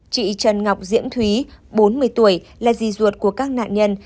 chị trần ngọc diễm thúy bốn mươi tuổi là gì ruột của các nạn nhân